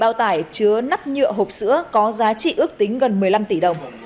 bảy bao tài chứa nắp nhựa hộp sữa có giá trị ước tính gần một mươi năm tỷ đồng